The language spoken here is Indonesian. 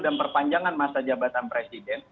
dan perpanjangan masa jabatan presiden